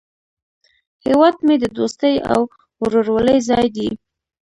هیواد مې د دوستۍ او ورورولۍ ځای دی